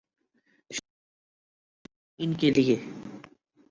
شناختی کارڈ بنوانا ان کے لیے